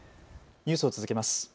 ニュースを続けます。